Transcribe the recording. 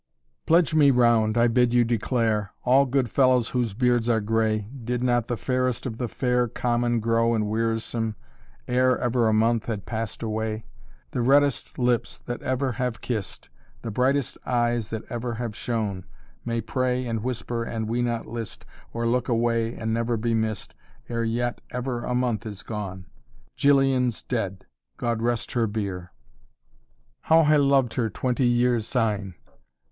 "Pledge me round, I bid you declare, All good fellows whose beards are gray, Did not the fairest of the fair Common grow and wearisome, ere Ever a month had passed away? The reddest lips that ever have kissed, The brightest eyes that ever have shone May pray and whisper and we not list Or look away and never be missed Ere yet ever a month is gone. Gillian's dead. God rest her bier! How I loved her twenty years syne!